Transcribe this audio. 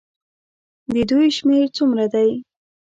د دوی شمېر څومره دی.